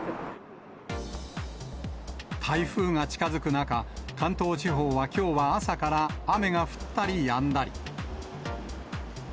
台風が近づく中、関東地方はきょうは朝から雨が降ったりやんだり。